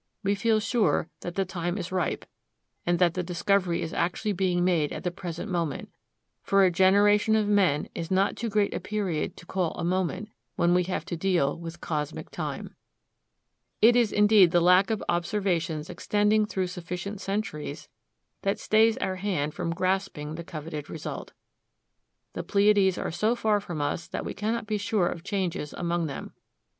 We feel sure that the time is ripe, and that the discovery is actually being made at the present moment: for a generation of men is not too great a period to call a moment, when we have to deal with cosmic time. It is indeed the lack of observations extending through sufficient centuries that stays our hand from grasping the coveted result. The Pleiades are so far from us that we cannot be sure of changes among them.